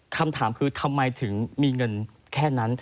คำถามคือทำไมถึงมีเงินแค่นั้น